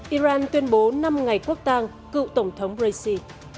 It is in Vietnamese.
iran tuyên bố năm ngày quốc tàng cựu tổng thống brexi